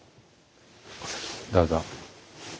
どうぞ。